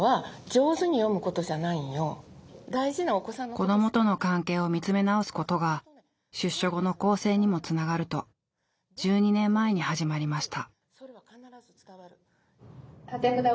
子どもとの関係を見つめ直すことが出所後の更生にもつながると１２年前に始まりました。